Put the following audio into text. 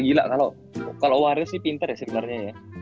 gila kalo wario sih pinter ya sebenernya ya